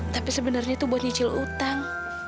tapi sebenarnya itu buat nyicil utang